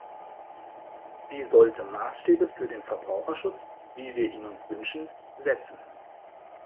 Sie sollte Maßstäbe für den Verbraucherschutz, wie wir ihn uns wünschen, setzen.